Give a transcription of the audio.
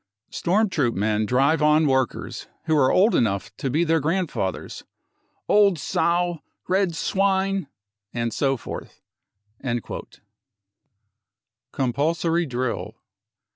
Storm Troop men drive on workers who are old enough to be their grandfathers : e Old sow ! 5 4 Red swine ! 5 and so forth. .... Compulsory Drill.